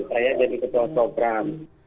saya jadi ketua program